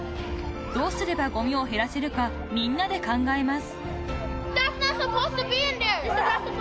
［どうすればごみを減らせるかみんなで考えます］